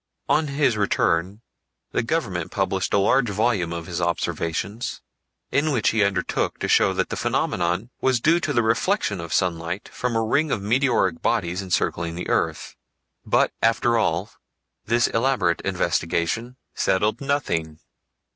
On his return the government published a large volume of his observations, in which he undertook to show that the phenomenon was due to the reflection of sunlight from a ring of meteoric bodies encircling the earth. But, after all, this elaborate investigation settled nothing.